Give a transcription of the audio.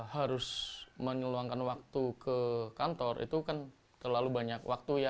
harus menyeluangkan waktu ke kantor itu kan terlalu banyak waktu ya